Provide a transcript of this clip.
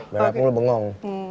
berharap gue bengong